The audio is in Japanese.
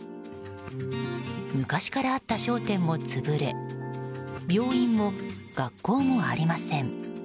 昔からあった商店も潰れ病院も学校もありません。